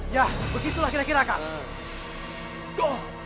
ya begitulah kira kira kak